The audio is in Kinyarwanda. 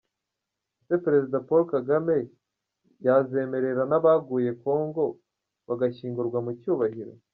Ese President Paul Kagame yazemerera n’abaguye Congo bagashyingurwa mu cyubahiro?